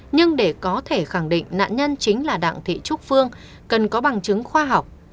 nhưng để có thể khẳng định nạn nhân chính là đặng thị trúc phương cần có bằng chứng khoa học